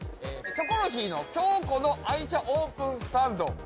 『キョコロヒー』の京子の愛車オープンサンド。